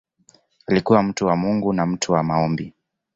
Alikuwa mtu wa Mungu na mtu wa maombi.